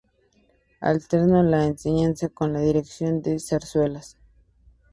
Alternó la enseñanza con la dirección de zarzuelas.